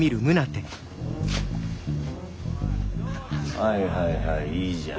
はいはいはいいいじゃん。